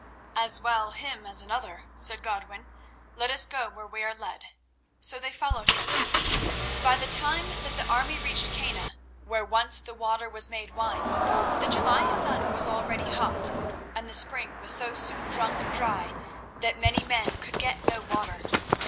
"As well him as another," said Godwin. "Let us go where we are led." So they followed him. By the time that the army reached Kenna, where once the water was made wine, the July sun was already hot, and the spring was so soon drunk dry that many men could get no water.